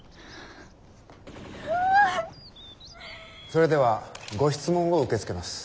それではご質問を受け付けます。